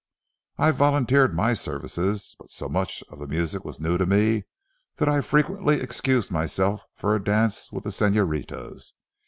I volunteered my services; but so much of the music was new to me that I frequently excused myself for a dance with the senoritas.